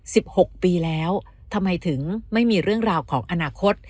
หกปีแล้วทำไมถึงไม่มีเรื่องราวของอนาคต